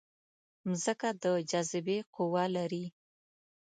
مځکه د جاذبې قوه لري.